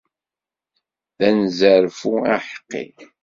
D anezzarfu aḥeqqi.